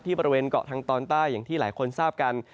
บริเวณเกาะทางตอนใต้อย่างที่หลายคนทราบกัน